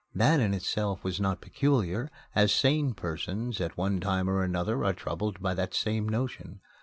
That in itself was not peculiar, as sane persons at one time or another are troubled by that same notion.